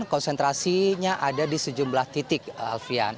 konsentrasinya ada di sejumlah titik alfian